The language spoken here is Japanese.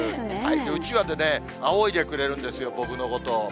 うちわであおいでくれるんですよ、僕のことを。